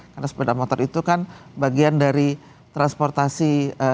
karena sepeda motor itu kan bagian dari transportasi